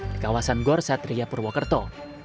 di kawasan gor satria purwokerto